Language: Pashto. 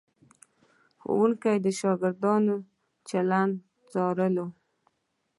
ښوونکي د شاګردانو چلند څارلو.